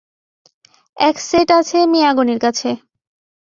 এক সেট আছে মিয়া গনির কাছে।